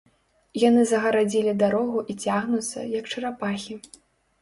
Яны загарадзілі дарогу і цягнуцца, як чарапахі.